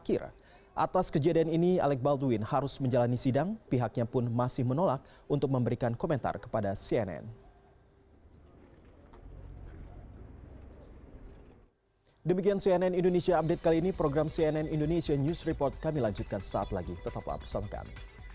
kedua jenazah yang diangkat ke permukaan setelah seorang petugas turun ke dalam sumur